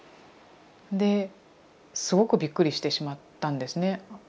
ですごくびっくりしてしまったんですね。